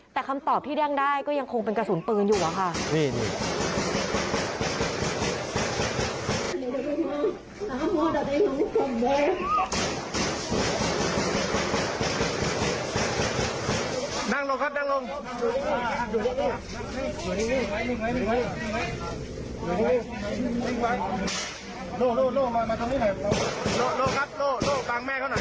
แต่คำตอบที่เด้งได้ก็ยังคงเป็นกระสุนปืนอยู่อะค่ะ